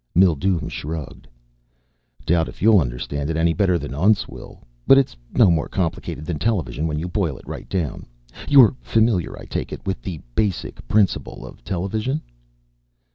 Mildume shrugged. "Doubt if you'll understand it any better than Untz will. But it's no more complicated than television when you boil it right down. You're familiar, I take it, with the basic principle of television?"